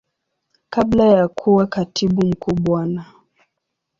Kabla ya kuwa Katibu Mkuu Bwana.